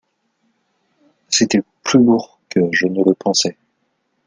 C’était plus lourd que je ne le pensais.